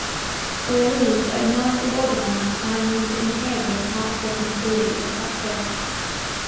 The rules are nicely organized and the interior (artwork included) is attractive.